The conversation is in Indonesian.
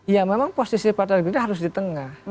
ya memang posisi partai gerindra harus di tengah